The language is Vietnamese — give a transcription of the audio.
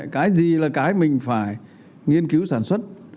cái gì là cái mình phải nghiên cứu sản xuất